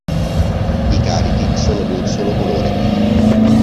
I carichi sono di un solo colore.